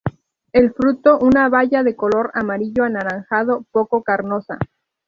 El fruto una baya de color amarillo anaranjado, poco carnosa.